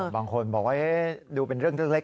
บางคนบอกว่าดูเป็นเรื่องเล็ก